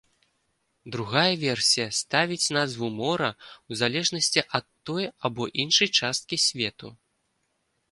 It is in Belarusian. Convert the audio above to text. Другая версія ставіць назву мора ў залежнасць ад той або іншай часткі свету.